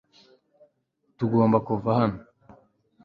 tugomba kuva hano